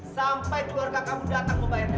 sampai keluarga kamu datang membayarnya